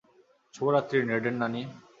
শুভরাত্রি, নেডের নানী।